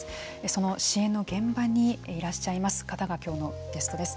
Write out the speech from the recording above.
その支援の現場にいらっしゃいます方がきょうのゲストです。